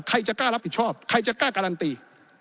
ใครจะกล้ารับผิดชอบใครจะกล้าการันตี